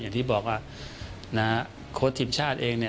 อย่างที่บอกว่าโค้ชทีมชาติเอง